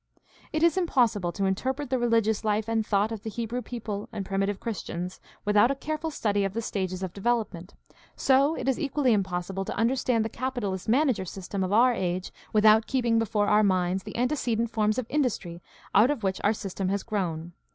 — It is impossible to interpret the religious life and thought of the Hebrew people and primitive Christians without a careful study of the stages of development; so it is equally impossible to understand the capitalist manager system of our age without keeping before our minds the ante cedent forms of industry out of which our system has grown.